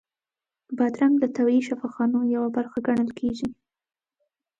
بادرنګ له طبیعي شفاخانو یوه برخه ګڼل کېږي.